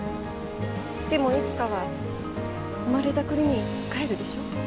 でもいつかは生まれた国に帰るでしょ？